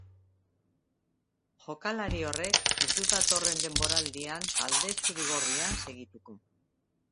Jokalari horrek ez du datorren denboraldian talde zuri-gorrian segituko.